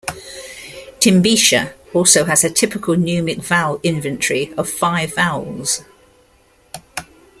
Timbisha also has a typical Numic vowel inventory of five vowels.